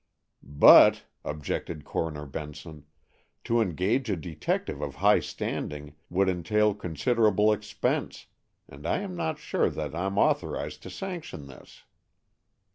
"But," objected Coroner Benson, "to engage a detective of high standing would entail considerable expense, and I'm not sure that I'm authorized to sanction this."